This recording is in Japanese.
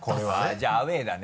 じゃあアウェーだね。